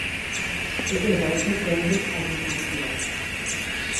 It was also branded as an Acura.